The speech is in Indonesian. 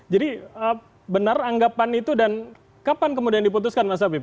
jadi benar anggapan itu dan kapan kemudian diputuskan mas habib